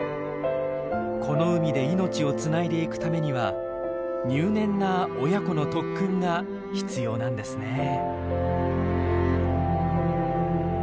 この海で命をつないでいくためには入念な親子の特訓が必要なんですね。